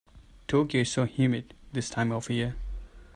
Tokyo is so humid this time of year.